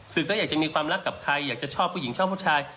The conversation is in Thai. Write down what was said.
อยากจะมีความรักกับใครอยากจะชอบผู้หญิงชอบผู้ชาย